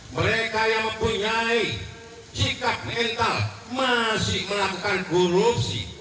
mereka yang mempunyai sikap mental masih melakukan korupsi